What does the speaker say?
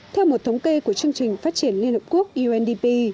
theo một thống kê của chương trình phát triển liên hợp quốc undp